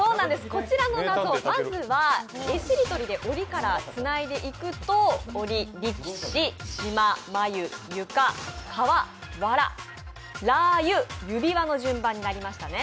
こちらの謎、まずは絵しりとりでおりからつないでいくとおり、力士、島、まゆ、床、川、わら、ラー油、指輪の順番になりましたね。